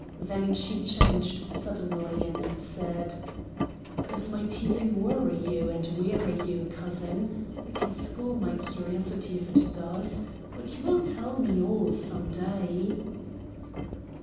Then she changed suddenly, and said: "Does my teasing worry you and weary you, cousin? I can school my curiosity if it does. But you will tell me all some day?"